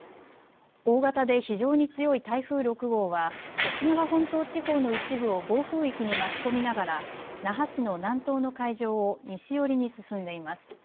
大型で非常に強い台風６号は沖縄本島地方の一部を暴風域に巻き込みながら那覇市の南東の海上を西寄りに進んでいます。